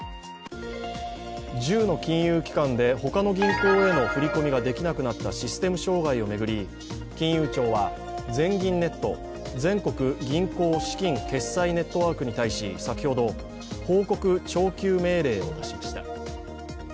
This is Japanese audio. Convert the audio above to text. １０の金融機関で他の銀行への振り込みができなくなったシステム障害を巡り金融庁は全銀ネット＝全国銀行資金決済ネットワークに対し、先ほど報告徴求命令を出しました。